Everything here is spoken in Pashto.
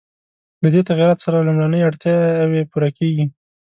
له دې تغییراتو سره لومړنۍ اړتیاوې پوره کېږي.